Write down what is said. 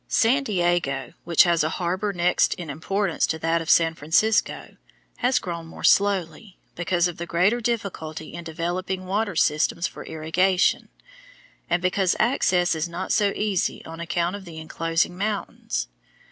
San Diego, which has a harbor next in importance to that of San Francisco, has grown more slowly, because of the greater difficulty in developing water systems for irrigation, and because access is not so easy on account of the enclosing mountains.